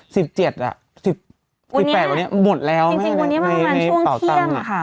สิบเจ็ดอ่ะสิบสิบแปดวันนี้หมดแล้วจริงจริงวันนี้มาประมาณช่วงเที่ยมอ่ะค่ะ